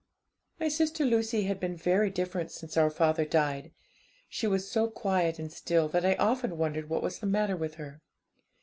'My sister Lucy had been very different since our father died. She was so quiet and still, that I often wondered what was the matter with her.